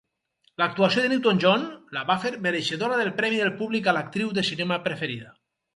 L'actuació de Newton-John la va fer mereixedora del Premi del Públic a l'actriu de cinema preferida.